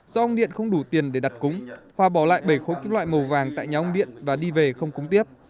do ông điện không đủ tiền để đặt cúng hòa bỏ lại bảy khối kim loại màu vàng tại nhà ông điện và đi về không cúng tiếp